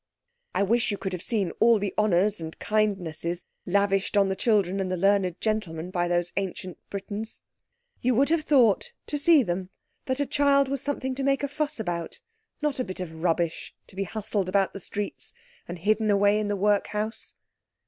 I wish you could have seen all the honours and kindnesses lavished on the children and the learned gentleman by those ancient Britons. You would have thought, to see them, that a child was something to make a fuss about, not a bit of rubbish to be hustled about the streets and hidden away in the Workhouse.